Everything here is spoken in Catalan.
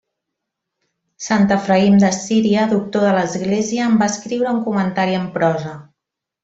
Sant Efraïm de Síria, Doctor de l'Església, em va escriure un comentari en prosa.